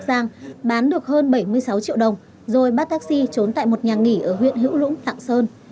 giang bán được hơn bảy mươi sáu triệu đồng rồi bắt taxi trốn tại một nhà nghỉ ở huyện hữu lũng tạng sơn